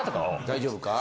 大丈夫か？